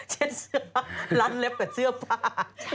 เช็ดเสื้อผ้าลั้นเล็บกับเสื้อผ้า